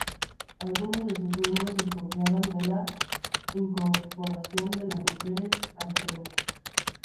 Algunos de sus miembros desconfiaban de la incorporación de las mujeres al frente.